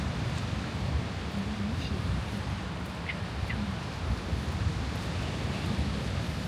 能引起溶血反应的物质称为溶血素。